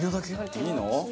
いいの？